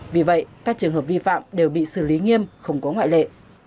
vì vậy các trường hợp vi phạm đều bị xử lý nghiêm không có ngoại lệ